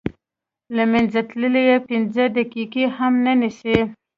له منځه تلل یې پنځه دقیقې هم نه نیسي.